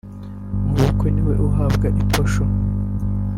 Mabukwe niwe uhabwa iposho